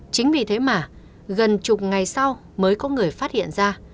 chính vì thế mà gần chục ngày sau mới có người phát hiện ra